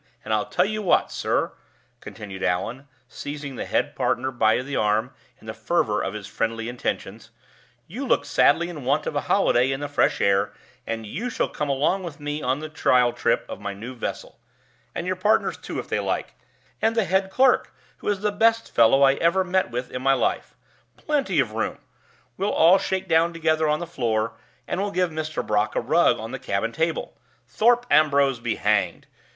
And I'll tell you what, sir," continued Allan, seizing the head partner by the arm in the fervor of his friendly intentions, "you look sadly in want of a holiday in the fresh air, and you shall come along with me on the trial trip of my new vessel. And your partners, too, if they like. And the head clerk, who is the best fellow I ever met with in my life. Plenty of room we'll all shake down together on the floor, and we'll give Mr. Brock a rug on the cabin table. Thorpe Ambrose be hanged!